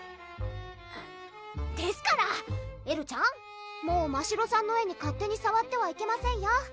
ですからエルちゃんもうましろさんの絵に勝手にさわってはいけませんよ